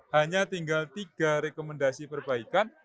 hanya tinggal tiga rekomendasi perbaikan